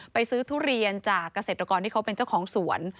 ไปซื้อทุเรียนจากเกษตรกรที่เขาเป็นเจ้าของสวน